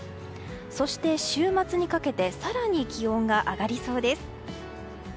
そして週末にかけて更に気温が上がりそうです。